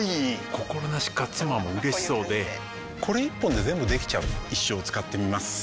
心なしか妻も嬉しそうでこれ一本で全部できちゃう一生使ってみます一生？